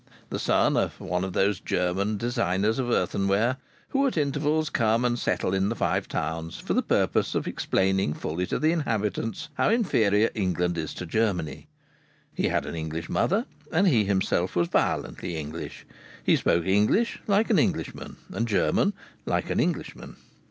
The son of one of those German designers of earthenware who at intervals come and settle in the Five Towns for the purpose of explaining fully to the inhabitants how inferior England is to Germany, he had an English mother, and he himself was violently English. He spoke English like an Englishman and German like an Englishman.